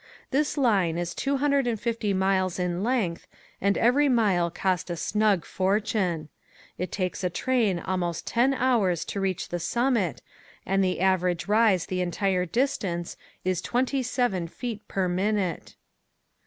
This line is two hundred and fifty miles in length and every mile cost a snug fortune. It takes a train almost ten hours to reach the summit and the average rise the entire distance is twenty seven feet per minute.